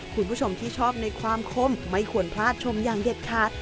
คุณผู้ชมที่ชอบในความคมไม่ควรพลาดชมอย่างเด็ดขาด